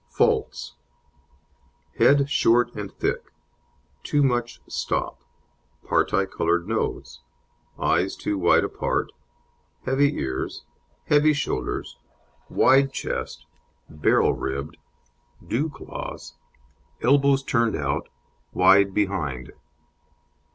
FAULTS Head short and thick; too much stop; parti coloured nose; eyes too wide apart; heavy ears; heavy shoulders; wide chest; "barrel" ribbed; dew claws; elbows turned out; wide behind.